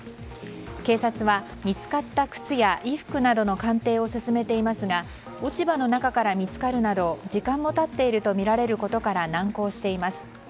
警察は見つかった靴や衣服などの鑑定を進めていますが落ち葉の中から見つかるなど時間も経っているとみられることから難航しています。